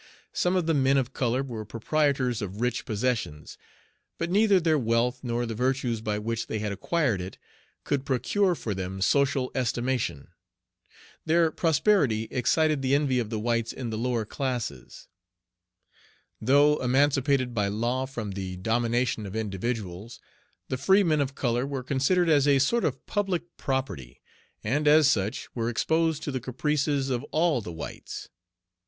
Some of the men of color were proprietors of rich possessions; but neither their wealth, nor the virtues by which they had acquired it, could procure for them social estimation. Their prosperity excited the envy of the whites in the lower classes. Though emancipated by law from the domination of individuals, the free men of color were considered as a sort of public property, and, as such, were exposed to the caprices of all the whites.